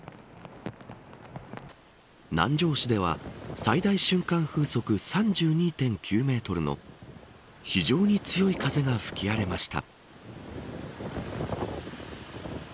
南城市では最大瞬間風速３２．９メートルの非常に強い風が吹き荒れました。